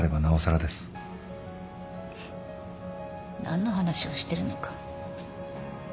何の話をしてるのか。